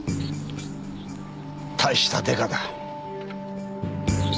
大したデカだ。